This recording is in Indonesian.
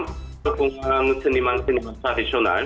tepungan seniman seniman tradisional